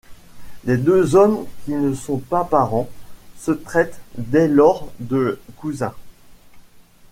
Les deux hommes, qui ne sont pas parents, se traitent dès lors de cousins.